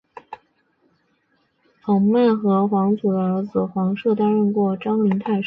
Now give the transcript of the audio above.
蒯越和黄祖的儿子黄射担任过章陵太守。